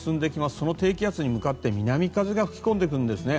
その低気圧に向かって南風が吹き込んでくるんですね。